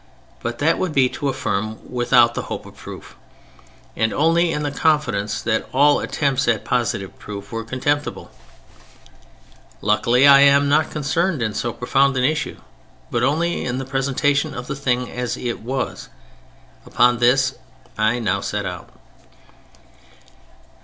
But that would be to affirm without the hope of proof, and only in the confidence that all attempts at positive proof were contemptible. Luckily I am not concerned in so profound an issue, but only in the presentation of the thing as it was. Upon this I now set out.